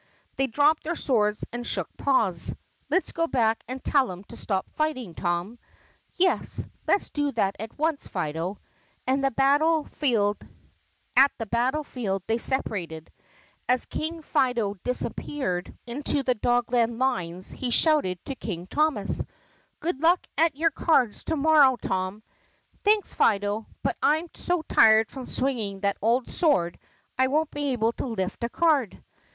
They dropped their swords and shook paws. "Let 's go back and tell 'em to stop fighting, Tom." "Yes, let 's do that at once, Fido." At the battle field they separated. As King Fido disap THE PUSSYCAT PRINCESS 148 peared into the Dogland lines he shouted to King Thomas, "Good luck to you at cards to morrow, Tom." "Thanks, Fido, but I'm so tired from swinging that old sword I won't be able to lift a card."